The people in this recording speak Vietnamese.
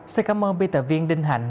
xin cảm ơn biên tập viên đinh hạnh